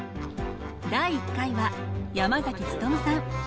第１回は山努さん。